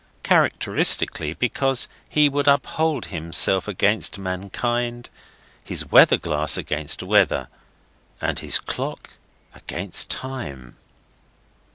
Characteristically, because he would uphold himself against mankind, his weather glass against weather, and his clock against time.